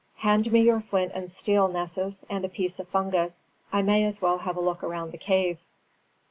"Hand me your flint and steel, Nessus, and a piece of fungus. I may as well have a look round the cave."